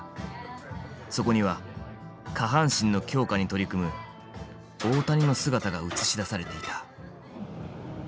そこには下半身の強化に取り組む大谷の姿が映し出されていた。